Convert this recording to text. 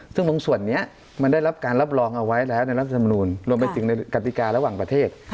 ซึ่งบางส่วนนี้มันได้รับการรับรองเอาไว้แล้วในรัฐธรรมนูลรวมไปถึงในกติการะหว่างประเทศ